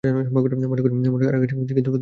মনে করি ঘাটে আর যাইব না, কিন্তু না যাইয়া কী করি।